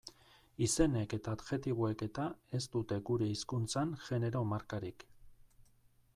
Izenek eta adjektiboek eta ez dute gure hizkuntzan genero markarik.